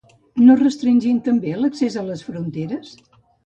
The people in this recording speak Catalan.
No restringim, també, l’accés a les fronteres?